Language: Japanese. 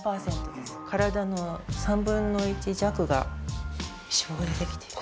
体の３分の１弱が脂肪で出来ている。